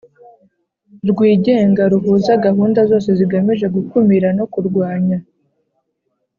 Rwigenga ruhuza gahunda zose zigamije gukumira no kurwanya